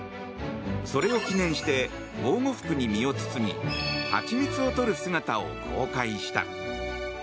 それを記念して防護服に身を包みハチミツをとる姿を公開した。